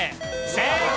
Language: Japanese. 正解！